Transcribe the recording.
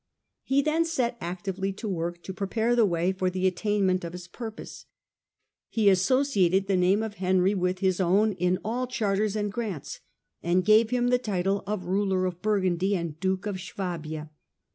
He then set actively to work to prepare the way for the attainment of his purpose. He associated the name of Henry with his own in all charters and grants, and gave him the title of Ruler of Burgundy and Duke of Suabia.